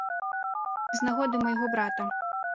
З нагоды майго брата.